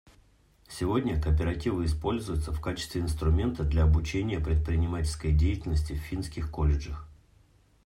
Сегодня кооперативы используются в качестве инструмента для обучения предпринимательской деятельности в финских колледжах.